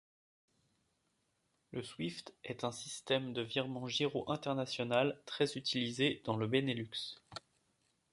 Le Swift est un système de virement Giro international très utilisé dans le Benelux.